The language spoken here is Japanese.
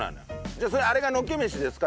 じゃああれがのっけ飯ですか？